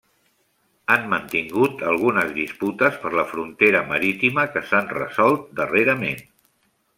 Han mantingut algunes disputes per la frontera marítima que s'han resolt darrerament.